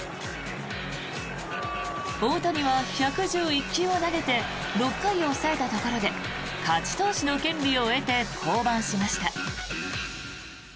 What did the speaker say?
大谷は１１１球を投げて６回を抑えたところで勝ち投手の権利を得て降板しました。